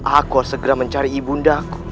aku harus segera mencari ibundaku